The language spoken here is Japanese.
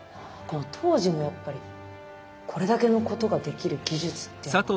この当時のやっぱりこれだけのことができる技術っていうのは。